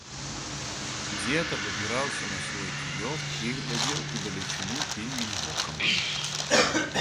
Дзед абапіраўся на свой кіёк і глядзеў у далечыню пільным вокам.